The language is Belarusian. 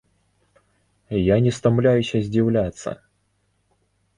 Я не стамляюся здзіўляцца.